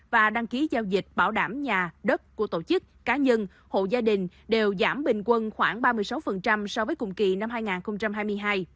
và đăng ký giao dịch bảo đảm nhà đất của tổ chức cá nhân hộ gia đình đều giảm bình quân khoảng ba mươi sáu so với cùng kỳ năm hai nghìn hai mươi hai